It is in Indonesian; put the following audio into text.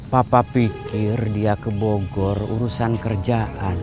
papa pikir dia ke bogor urusan kerjaan